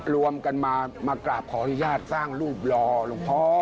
รวมกันมากราบขออนุญาตสร้างรูปรอหลวงพ่อ